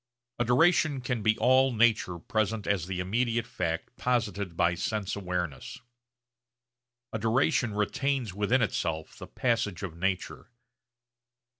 A duration can be all nature present as the immediate fact posited by sense awareness. A duration retains within itself the passage of nature.